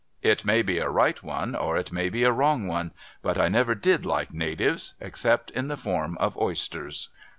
It may be a right one or it may be a wrong one; but, I never did like Natives, except in the form of oysters.